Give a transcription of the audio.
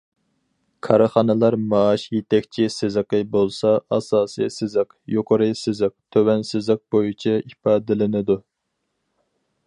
كارخانىلار مائاش يېتەكچى سىزىقى بولسا ئاساسىي سىزىق، يۇقىرى سىزىق، تۆۋەن سىزىق بويىچە ئىپادىلىنىدۇ.